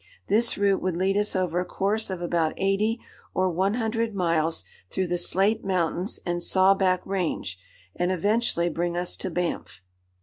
This route would lead us over a course of about eighty or one hundred miles through the Slate Mountains and Sawback Range, and eventually bring us to Banff.